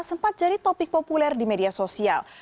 sempat jadi topik populer di media sosial